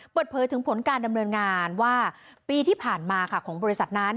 เปิดเผยถึงผลการดำเนินงานว่าปีที่ผ่านมาค่ะของบริษัทนั้น